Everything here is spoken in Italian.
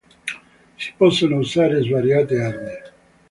Si possono usare svariate armi.